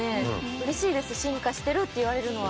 うれしいです進化してるって言われるのは。